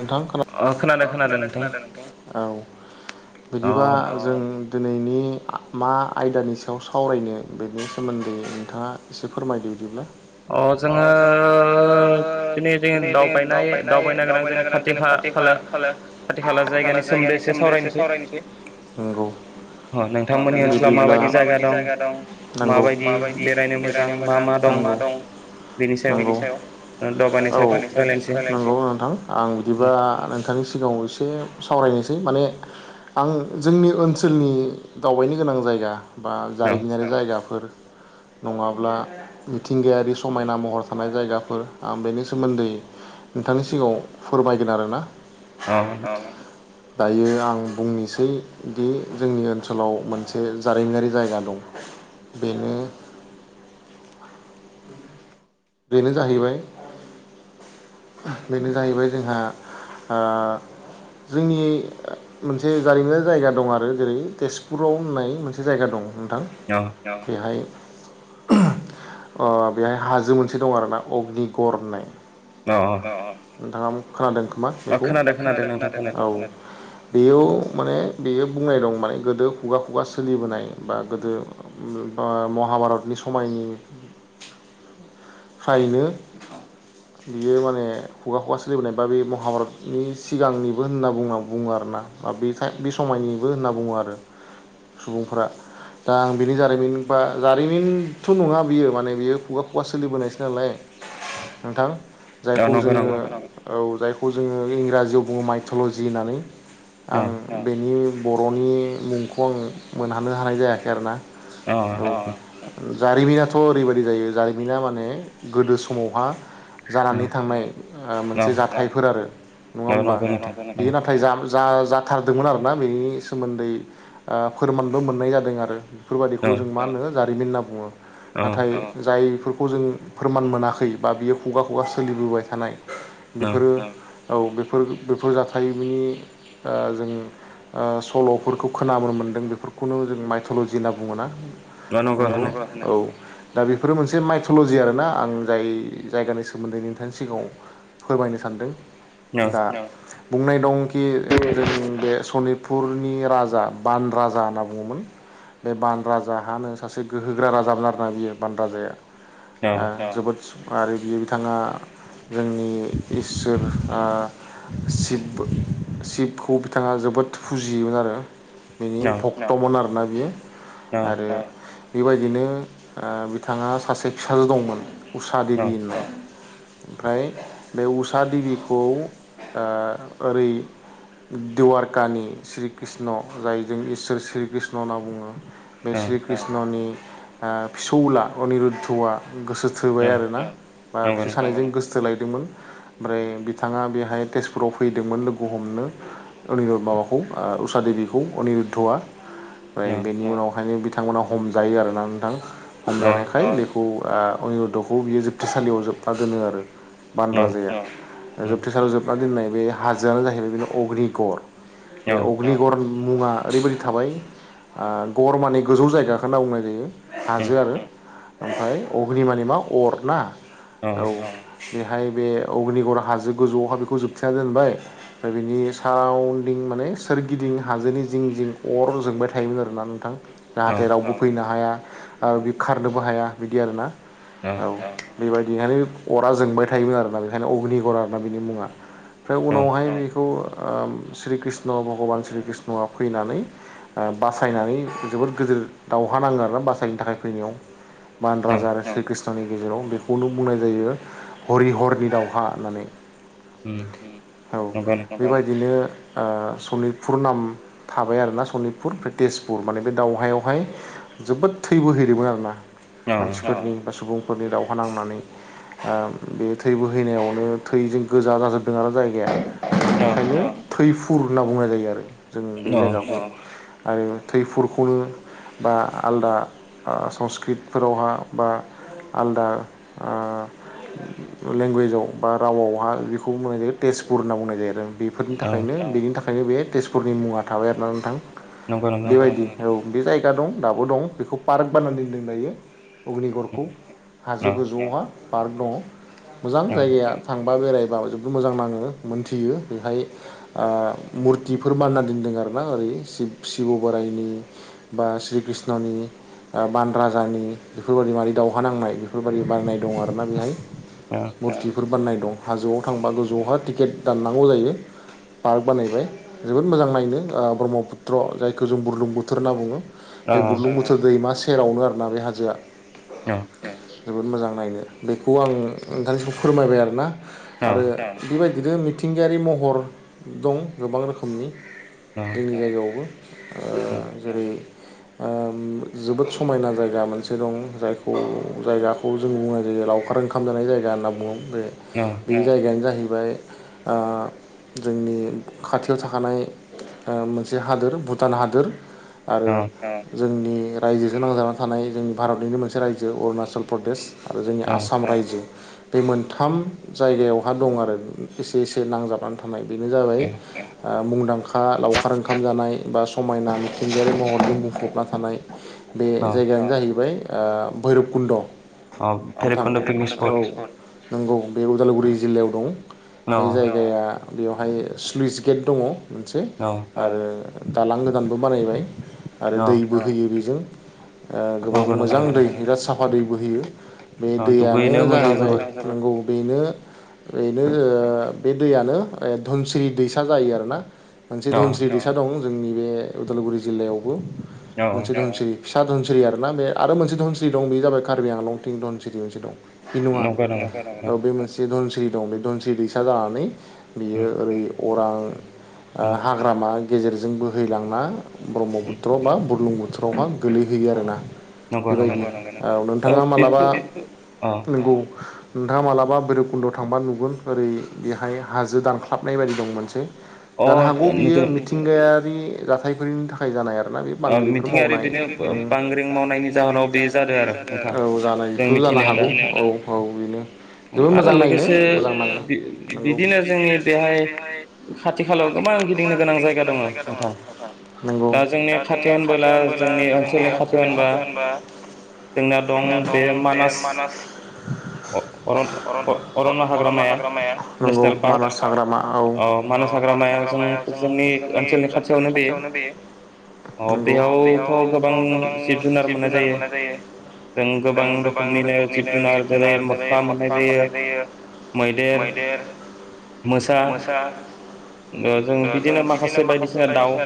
नोंथां खो खोनादों खोनादों नोंथां औ बिदिबा जों दिनैनि आयदानि सायाव सावरायनो बेनि सोमोन्दै नोंथाङा एसे फोरमायदो बिदिब्ला अ जोंङ दिनैनि दाउबायनाय दा मिथिनो गोनां जोंनि खाथि खा खाले खाथि खाला जायगानि सोमोन्दै एसे सावरायनोसै नंगौ नोंथांमोननियाव माबायदि जायगा दं माबायदि बेरायनो मोजां द [unintelligible] औ नंगौ नोंथां आं बिदिबा नोंथांनि सिगाङाव एसे सावरायनोसै बे माने आं जोंनि ओनसोलनि दावबायनो गोनां जायगा बा जारिमिन जायगाफोर नङाब्ला मिथिंगायारि समायना महर थानाय जायगाफोर आं बेनि सोमोन्दै नोंथांनि सिगाङाव फोरमायगोन आरोना दायो आं बुंनोसै दि जोंनि ओनसोलाव मोनसे जारिमिन जायगा दं बेनो बेनो जाहैबाय बेनो जाहैबाय जोंहा ओ जोंनि मोनसे जारिमिनारि जायगा दं आरो जेरै तेजपुराव होननाय मोनसे जायगा दं नोंथां बेहाय ओ बेहाय हाजो ओनसोलाव आरोना अग्निगर होननाय अ अ नोंथाङा खोनादों खोमा बेखौ खोनादों खोनादों औ बेयाव माने बेयो बुंनाय दं माने गोदो खुगा खुगा सोलिबोनाय बा गोदो अ महाभारतनि समायनि खायनो बियो माने खुगा खुगा सोलिबोनाय बा बे महाभारतनि सिगांनिबो होनना बुंङा बुङा ना ओ बेखाय बे समायनिबो होनना बुङो आरो सुबुंफोरा दा आं बिनि जारिमिन बा जारिमिनथ' नङा बियो माने बियो खुगा खुगा सोलिबोनायसो नालाय नोंथां जायखौ जोङो औ जाय खौ जोङो इंराजियाव बुङो माइथ'लजि होननानै आं बेनि बर'नि मुंखौ आं मोनहानो हानाय जायाखै आरोना औ जारिमिनाथ' ओरैबायदि जायो जारिमिना माने गोदो समावहा जानानै थांनाय ओ मोनसे जाथायफोर आरो नङा होमबा बियो नाथाय जाम जा-जाथारदोंमोन आरोना बेनि सोमोन्दै ओ फोरमानबो मोननाय जादों आरो। बेफोरबादिखौ जों मा होनो जारिमिन होनना बुङो नाथाय जाय फोरखौ जों फोरमान मोनाखै बा बियो खुगा खुगा सोलिबोबाय थानाय बेफोरो औ बेफोर बेफोर जाथायनि ओ जों ओ सल'फोरखौ खोनाबोनो मोन्दों बेफोरखौनो जों माइथ'ल'जि होनना बुङोना। नंगौ औ दा बेफोरो मोनसे माइ ट'ल'जि आरोना आं जाय जायगानि सोमोन्दै नोंथांनि सिगाङाव फोरमायनो सानदों दा बुंनाय दंखि जों बे सनित पुरनि राजा बान राजा होनना बुङोमोन। बे बान राजाहानो सासे गोहोगोरा राजाबाबो आरोना बियो बान राजाया ओ जोबोद आरो बियो बिथाङा जोंनि इसोर ओ शिब शिब खौ बिथाङा जोबोद फुजियोमोन आरो बिनि भक्त'मोन आरोना बियो आरो बेबायदिनो ओ बिथाङा सासे फिसाजो दंमोन। उषा देबि होननाय ओमफ्राय बे उसा देबिखौ ओ ओरै दिवारकानि श्री कृष्ण जाय जों इसोर श्री कृष्ण होनना बुङो। बे श्री कृष्णनि ओ फिसौला अनिरुद्धआ गोसो थोबाय आरोना बा बिसोर सानैजों गोसोथोलायदोंमोन ओमफ्राय बिथाङा बेहाय तेजपुराव फैदोंमोन लोगो हमनो अनिर माबाखौ ओ उसा देबिखौ अनिरुदध'आ ओमफ्राय बेनि उनावहायनो बिथांमोना हमजायो आरोना नोंथां हमजानायखाय बे खौ ओ अयुदखौ बियो जोबथेसालियाव जोबना दोनो आरो बान राजाया जोबथेसालियाव जोबना दोननाय बे हाजोआनो जाहैबाय बेनो अग्रिगर ए अग्रिगरन मुङा ओरैबायदि थाबाय ओ गर माने गोजौ जायगाखौना बुंनाय जायो। हाजो आरो ओमफ्राय अग्रि मानि मा अर ना औ बे हाय बे अग्रिगर हाजो गोजौआवहाय बेखौ जोबथेना दोनबाय ओमफ्राय बेनि साराउन्डिं माने सोरगिदिं हाजोनि जिं जिं अर जोंबाय थायोमोन आरो ना नोंथां जाहाथे रावबो फैनो हाया आरो बि खारनोबो हाया बिदि आरो ना औ बेबाय दि आरो अरा जोंबाय थायोमोन आरोना बेखायनो अग्रिगर आरो ना बिनि मुङा। ओमफ्राय उनावहाय बेखौ ओ श्री कृष्ण भगबान श्री कृष्णआ फैनानै ओ बासायनानै जोबोद गोदोर दावहा नाङो आरोना बासायनो थाखाय फैनायाव बान राजा आरो श्री कृष्ण नि गेजेराव बेखौनो बुंनाय जायो हरि हरनि दावहा होननानै। औ बेबायदिनो ओ सनितपुर नाम थाबाय आरोना सनितपुर ओमफ्राय तेजपुर माने बे दावहायावहाय जोबोद थै बोहैैदोंमोन आरोना मानसिफोरनि बा सुबुं फोरनि दावहा नांनानै ओ बे थै बोहैनायावनो थैजों गोजा जाजोब दों आरो जायगाया बेखायनो थैफुर होनना बुंनाय जायो आरो। जों बे जायगाखौ आरो थैफुरफुल बा आलदा संस्कृत। फोरावहा बा आलदा। लेंगुवेजाव बा रावावहा बेखौ बुंनाय जायो तेजपुर होनना बुंनाय जायो आरो। बेफोरनि थाखायनो बेनि थाखायनो बे तेजपुरनि मुङा थाबाय आरोना नोंथां बेबायदि औ। बे जायगा दं दाबो दं बेखौ पार्क बाननानै दोन्दों दायो। अग्निगरखौ हाजो गोजौआवहा पार्क दङ मोजां जायगाया थां। बा बेरायबा जोबोद मोजां नाङो मोनथियो बेहाय ओ मुरथिफोर मानना दोनदों आरो। आरोना ओरै शिब-शिब' बोराइनि। बा श्री कृष्णनि ओ बान राजानि। बेफोरबायदि मारै दावहा नांनाय बेफोरबायादि बारनाय दं आरोना बेहाय मुरथिफोर बारनाय दं। हाजोआव थांबा गोजौआवहा टिकेट दाननांगौ जायो। पार्क बानायबाय जोबोद मोजां नायनो ओ ब्रह्मपुत्र जायखो जों बुरलुं बुथुर होनना बुङो। बे बुुरलुं बुथुर दैमा सेरावनो आरोना बे हाजोआ। जोबोद मोजां नायनो बेखौ आं नोंथांनिसखौ फोरमायबाय आरोना। आरो बेबायदिनो मिथिंगायारि महर दं गोबां रोखोमनि। जोंनि जायगायावबो ओ जेरै- ओम जोबोद समायना जायगा मोनसे। दं जायखौ जायगाखौ जों बुंनाय जायो लावखार ओंखाम जानाय जायगा होनना बुङो। बे-बे जायगायानो जाहै बाय ओ जोंनि खाथियाव थाखानाय। ओ मोनसे हादोर भुटान हादोर। आरो जोंनि रायजोजों नांजानानै थानाय जों भारतनिनो मोनसे राज्यो अरुणाचल प्रदेश आरो जोंनि आसाम राज्यो। बे मोन्थाम जायगायावहा दं आरो एसे एसे नांजाबनानै थानाय। बेनो जाबाय ओ मुंदांखा। खा लावखार ओंखाम जानाय बा समायना मिथिंगायारि महरजों बुंफबना थानाय बे जायगायानो जाहै बाय ओ भैरब कुन्द नोंथां औ। नंगौ बे उदालगुरि जिल्लायाव दं बे जायगाया बेवहाय स्लुइस। गेट दङ मोनसे आरो दालां गोदानबो बानायबाय। आरो दै बोहोयो बेजों ओ गोबां मोजां दै बिराद साफा दै बोहोयो। बे दैयानो जाहैबाय नंगौ बेनो। बेनो ओ बे दैयानो धोनस्रि दैसा जायो आरोना। मोनसे धनस्रि दैसा दं जोंनि बे उदालगुरि जिल्लायावबो मोनसे धनस्रि। फिसा धनस्रि आरोना बे आरो मोनसे धनस्रि दं बे जाबाय कारबि आंलंथिं धनस्रि मोनसे दं। बे नङा औ बे मोनसे धनस्रि दं बे धनस्रि दैसा जानानै। बियो ओरै अरां ओ हाग्रामा गेजेरजों बोहैलांना। ब्रह्मपुत्र मा बुरलुं बुथुरावहा गोलैहोयो आरोना। बेबायदि औ नोंथाङा मालाबा नंगौ। नोंथाङा मालाबा भैरबकुन्दआव थांबा नुगोन ओरै बेहाय हाजो दानख्लाबनाय बायदि दं मोनसे। जानो हागौ बियो मिथिंगायारि जाथायफोरनि थाखाय जानाय आरो। दाना बे बांग्रिफोर मावनाय। गांग्रिं नानायनि दाहोनायाव बे जादो आरो औ जानायखौ जानो हागौ औ-औ बेनो। जोबोद मोजां नायनो मोजां नाङो नंगौ बिदिनो जोंनि बेहाय। खाथि खालाम गोबां गिदिंनो गोनां जायगा दङ आर' नंगौ दा। खाथियाव होनबोला जोंनि ओनसोलनि थाफ्ला होनबा। जेंना दं बे मानास। [unintelligible] अरन' हाग्राया नंगौ मानास हाग्रामा। मानास हाग्रामायाव जों जोंनि ओनसोलनि खाथियावनो बेयो।। नंगौ बेयावथ' गोबां जिब जुनार मोननाय जायो। जों गोबां रोखोमनिनो जिब-जुनार जेरै- मोख्रा मोननाय जायो। मैदेर मोसा जों बिदिनो माखासे बायदिसिना दाउ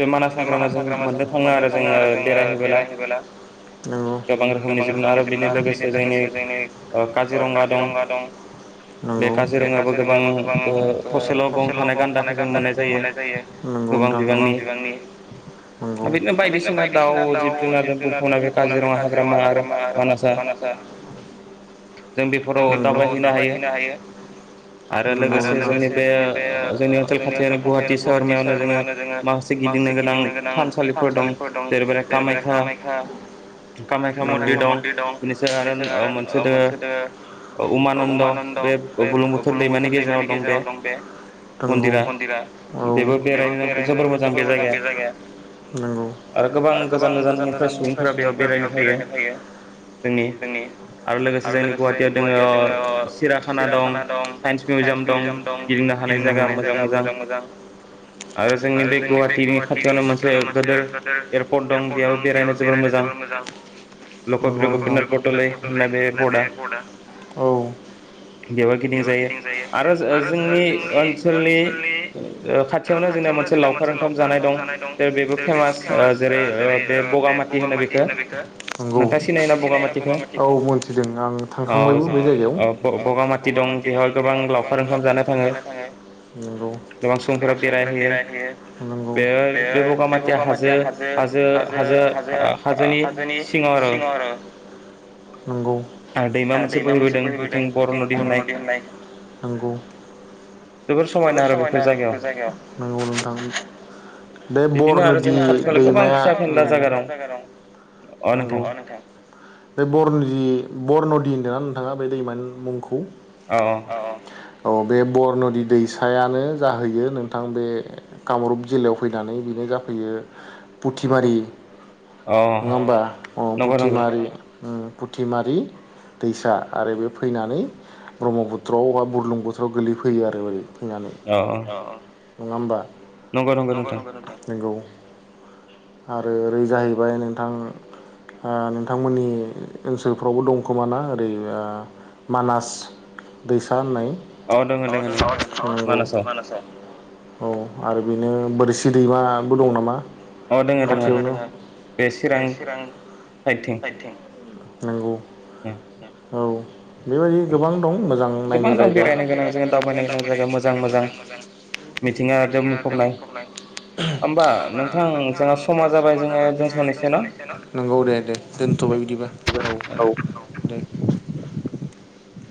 बे मानास हाग्रामा जों मोननो थाङो आरो जोङो बेरायहैबोला गोबां रोखोमनि जिब आरो बेनि लोगोसे जोंनि काजिरङगा दं बे काजिरङायावो गोबां थसेल' गं थानाय गान्दाखौ जों मोननाय जायो गोबां बिबांनि नंगौ बिदिनो बायदिसिना दाउ जिब जुनार द बुंफना बे काजिरङा हाग्रामा आरो मानासआ जों बेफोराव अ दावबायहैनो हायो आरो लोगोसे जोंनि बे जोंनि अटेल खाथियावनो गुवाहाटि सोहोरमायावनो जोङो माखासे गिदिंनो गोनां थानसालिफोर दं जेरैबायदि कामाख्या कामाख्या मनदिर दं बेनिफ्राय आरो मोनसे दों उमानन्द बे बुलुंबुथुर दैमानि गेजेराव दं बे नोंगौ मन्दिरा औ बेबो बेरायनो न जोबोर मोजां बे जायगाया नंगौ आरो गोबां गोजान गोजाननिफ्राय सुबुंफोरा बेयाव बेरायनो फायो बिनि आरो लोगोसे जोंनि गुवाहाटियाव दोङो सिराखाना दं साइन्स मिउजियाम दं गिदिंनो हायो थानाय जायगा मोजां मोजां आरो जोंनि बे गुवाहाटिनि खाथियावनो मोनसे मद एयारपर्ट द गैाबो बेरायायनो जोब मोजां ल बेयावबो गिदिं जायो आरो जोंनि ओनसोलनि खाथियावनो जोंना ओंखाम जानाय दं जेरै बेबो फेमास जेरै बे बगामाथि होनो बेखौ नगौ नोंथां सिनायो बा औ मोनथिदों आं थांखांबायबो बे जायगायावा दं बेहा गोबां ओंखाम जानो थाङौ गोबां सुबुंफोरा बेरायहैयो बे बे बगामाथिया हाजो हाजो हाजो हाजोनि सिङाव आरो नंगौ आ दैमा मोनसे बोहैबोयो बिथिं बरन'दि होननाय जोबोर समायना आरो बेफोर जायगायाव नोंथां बे बरनुदि दैमाया नंगौ बे बरन जि बरन दिन दनानै नोंथाङा बे दैमानि मुंखौ औ औ औ बे बरनदि दैसायानो जाहैयो नोंथां बे कामरुप जिल्लायाव फैनानै बेनो जा फैयो फुथिमारि नङा होमबा अ फुथिमारि फुथिमारि दैसा आरो बे फैनानै ब्रह्मपुथ्रआव बा बुरलुं बोथोराव गोगलैफैयो आरो बै फैनानै नङा होमबा नंगौ नंगौ नोंथां आरो ओरै जाहैबाय नोंथां नोंथांमोननि ओनसोलफ्रावबो दंखोमाना ओरै मानास दैसा होननाय औ द द औ आरो बेनो बोरसि दैमाबो दं नामा खाथि बे चिरां साइदथिं औ औ बेबायदि गोबां दं मोजां नायनो जायगा मोजां मोजां मिथिंगाजों बुंफबनाय होमबा नोंथां नोंथा समा जाबाय जोङो दोनथ'स नंगौ दे दे दोनथ'बाय बिदिबा औ औ दे